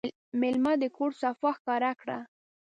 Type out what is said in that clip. مېلمه ته د کور صفا ښکاره کړه.